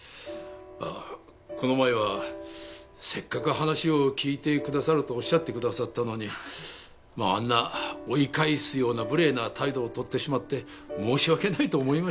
この前はせっかく話を聞いてくださるとおっしゃってくださったのにあんな追い返すような無礼な態度をとってしまって申し訳ないと思いましてね。